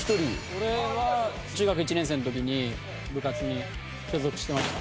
俺は中学１年生の時に部活に所属してました。